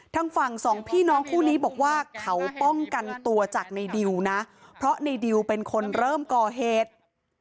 ทางฝั่งสองพี่น้องคู่นี้บอกว่าเขาป้องกันตัวจากในดิวนะเพราะในดิวเป็นคนเริ่มก่อเหตุ